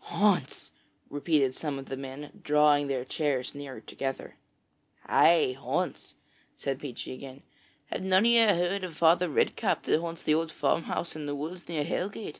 'Haunts!' repeated some of the men, drawing their chairs nearer together. 'Ay, haunts,' said Peechy again. 'Have none of you heard of Father Redcap that haunts the old farmhouse in the woods near Hellgate?'